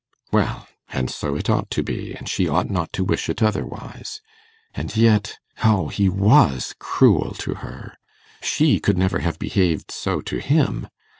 Well! and so it ought to be and she ought not to wish it otherwise. And yet oh, he was cruel to her. She could never have behaved so to him.